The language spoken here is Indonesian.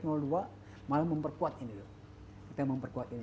malah memperkuat ini